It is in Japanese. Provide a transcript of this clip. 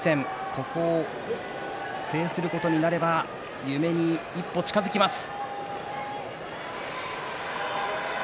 ここを制することになれば夢に一歩近づきます。